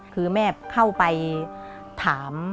คือแม่เข้าไปถาม